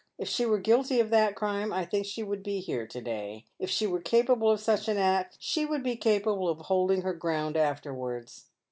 " If she were guilty of that crime I think she would be here to day. If she were capable of such an act she would be capable of holding her ground after wards."